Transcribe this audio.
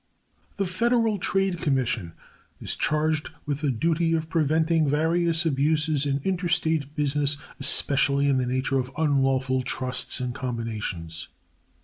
The Federal Trade Commission is charged with the duty of preventing various abuses in interstate business, especially in the nature of unlawful trusts and combinations.